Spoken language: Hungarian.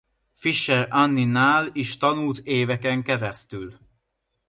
Fischer Annie-nál is tanult éveken keresztül.